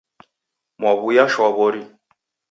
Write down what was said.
Mwaw'uya shwaw'ori.